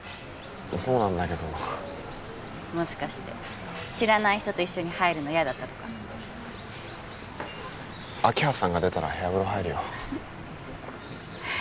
そうなんだけどもしかして知らない人と一緒に入るの嫌だったとか明葉さんが出たら部屋風呂入るよ